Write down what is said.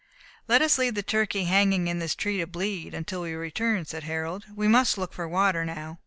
"Let us leave the turkey, hanging in this tree to bleed, until we return," said Harold; "we must look for water now."